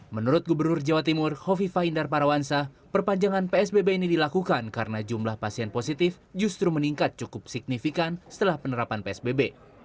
menurut gubernur jawa timur hovifah indar parawansa perpanjangan psbb ini dilakukan karena jumlah pasien positif justru meningkat cukup signifikan setelah penerapan psbb